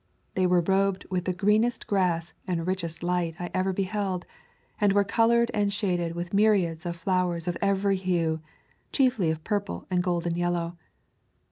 They were robed with the green est grass and richest light I ever beheld, and were colored and shaded with myriads of flow ers of every hue, chiefly of purple and golden yellow.